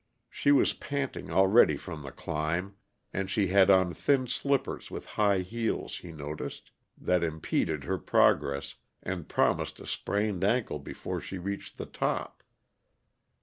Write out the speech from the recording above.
She was panting already from the climb, and she had on thin slippers with high heels, he noticed, that impeded her progress and promised a sprained ankle before she reached the top.